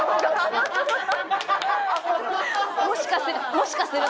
もしかすると。